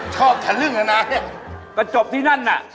ชอบถัดเรื่องนะนายก็จบที่นั่นน่ะ